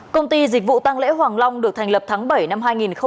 công ty dịch vụ tăng lễ hoàng long được thành lập tháng bảy năm hai nghìn một mươi bảy